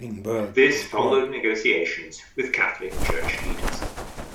This followed negotiations with Catholic church leaders.